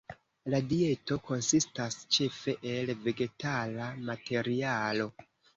La dieto konsistas ĉefe el vegetala materialo.